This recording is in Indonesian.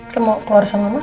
kita mau keluar sama mama